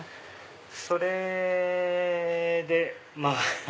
それでまぁ。